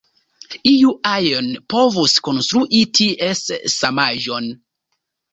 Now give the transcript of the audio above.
Iu ajn povus konstrui ties samaĵon.